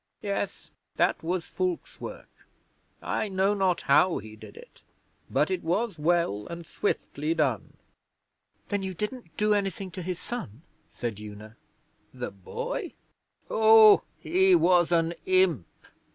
Yes, that was Fulke's work. I know not how he did it, but it was well and swiftly done.' 'Then you didn't do anything to his son?' said Una. 'The boy? Oh, he was an imp!